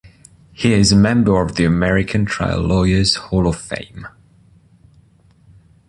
He is a member of the American Trial Lawyers Hall of Fame.